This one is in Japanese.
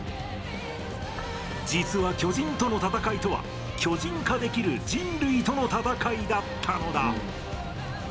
実は巨人との戦いとは巨人化できる人類との戦いだったのだ。